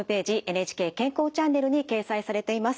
「ＮＨＫ健康チャンネル」に掲載されています。